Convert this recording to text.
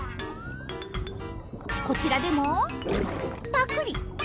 こちらでもパクリ！